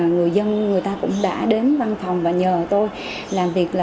người dân cũng đã đến văn phòng và nhờ tôi làm việc